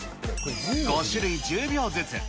５種類１０秒ずつ。